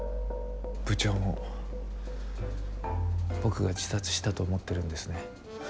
部長も僕が自殺したと思ってるんですね。